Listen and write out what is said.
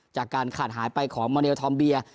จากการขาดหายไปของมอเนลทอมเบีย